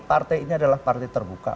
partai ini adalah partai terbuka